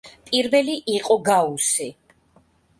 პირველი იყო გაუსი.